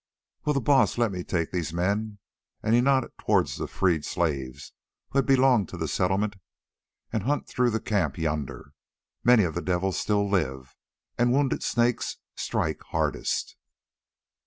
"Will the Baas let me take these men," and he nodded towards the freed slaves who had belonged to the Settlement, "and hunt through the camp yonder? Many of the devils still live, and wounded snakes strike hardest."